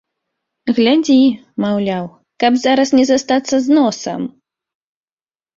Глядзі, маўляў, каб зараз не застацца з носам!